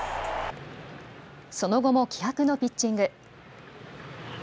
その後も気迫のピッチング。